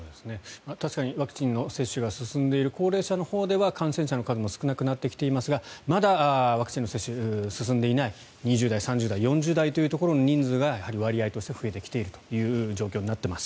確かにワクチン接種が進んでいる高齢者のほうでは感染者の数も少なくなってきていますがまだワクチンの接種が進んでいない２０代、３０代、４０代というところの人数がやはり割合として増えてきている状況になっています。